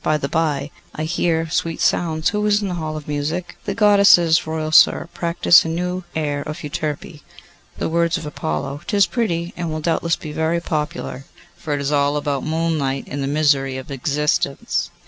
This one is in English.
By the bye, I hear sweet sounds. Who is in the Hall of Music?' 'The Goddesses, royal sir, practise a new air of Euterpe, the words by Apollo. 'Tis pretty, and will doubtless be very popular, for it is all about moonlight and the misery of existence.